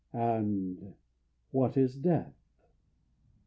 And what is Death?